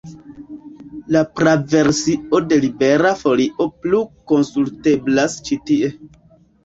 La praversio de Libera Folio plu konsulteblas ĉi tie.